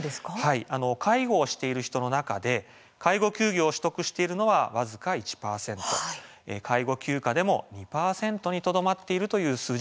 介護をしている人の中で介護休業を取得しているのは僅か１％、介護休暇でも２％にとどまっています。